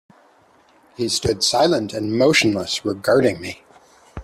He stood silent and motionless, regarding me.